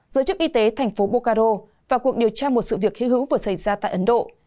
giới chức y tế thành phố bokaro và cuộc điều tra một sự việc hữu hữu vừa xảy ra tại ấn độ